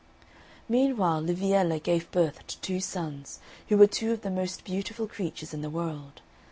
Meanwhile Liviella gave birth to two sons, who were two of the most beautiful creatures in the world.